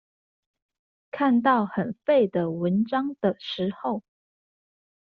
看到很廢的文章的時候